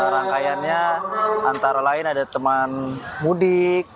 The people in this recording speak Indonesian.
rangkaiannya antara lain ada teman mudik